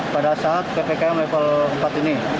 pada saat ppkm level empat ini